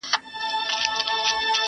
ما بې بخته له سمسوره باغه واخیسته لاسونه!.